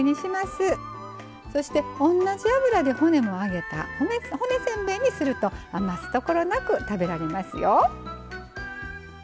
そして同じ油で骨も揚げた骨せんべいにすると余すところなく食べられますよ。